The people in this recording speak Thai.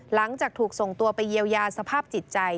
หลังจากถูกส่งตัวไปเยียวยาสภาพจิตใจ